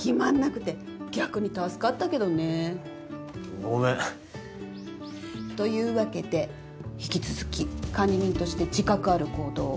ごめん。というわけで引き続き管理人として自覚ある行動を。